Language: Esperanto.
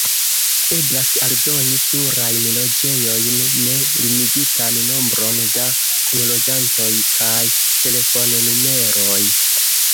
Eblas aldoni plurajn loĝejojn, ne limigitan nombron da kunloĝantoj kaj telefonnumeroj.